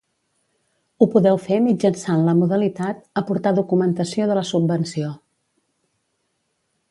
Ho podeu fer mitjançant la modalitat "Aportar documentació de la subvenció".